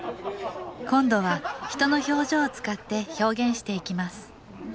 今度は人の表情を使って表現していきます